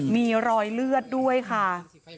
มีรอยเลือดด้วยค่ะ